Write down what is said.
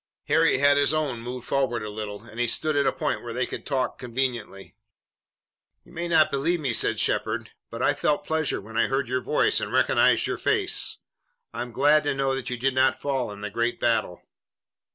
Harry had his own moved forward a little, and he stopped at a point where they could talk conveniently. "You may not believe me," said Shepard, "but I felt pleasure when I heard your voice and recognized your face. I am glad to know that you did not fall in the great battle."